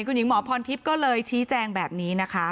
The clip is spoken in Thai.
คุณหญิงหมอพรทิพย์ก็เลยชี้แจงแบบนี้นะคะ